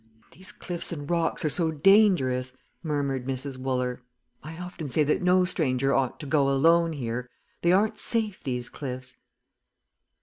"These cliffs and rocks are so dangerous," murmured Mrs. Wooler. "I often say that no stranger ought to go alone here. They aren't safe, these cliffs."